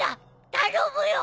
頼むよ。